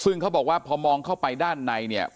ซึ่งเขาบอกว่าพอมองเข้าไปด้านในเนี่ย